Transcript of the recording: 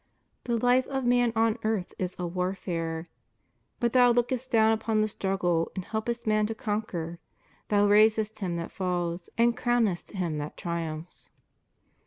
The life of man on earth is a war fare, but Thou lookest down upon the struggle and helpest man to conquer; Thou raisest him that falls, and crownest him that triumphs."